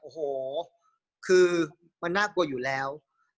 โอ้โหคือมันน่ากลัวอยู่แล้ว